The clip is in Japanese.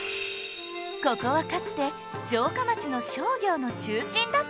ここはかつて城下町の商業の中心だった場所